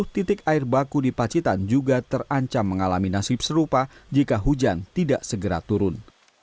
sepuluh titik air baku di pacitan juga terancam mengalami nasib serupa jika hujan tidak segera turun